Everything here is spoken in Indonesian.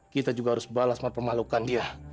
kita juga harus balas mempermalukan dia